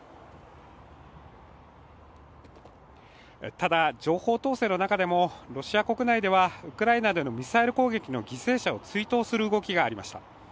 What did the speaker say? ただ、情報統制の中でも、ロシア国内では、ウクライナでのミサイル攻撃の犠牲者を追悼する動きがありました。